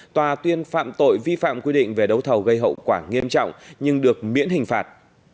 tòa tuyên phạm tội vi phạm quy định về đấu thầu gây hậu quả nghiêm trọng nhưng được miễn hình phạt